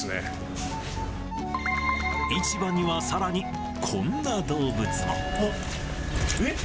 市場にはさらに、こんな動物も。